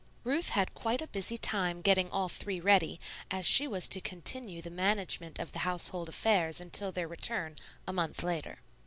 Ruth had quite a busy time getting all three ready, as she was to continue the management of the household affairs until their return, a month later.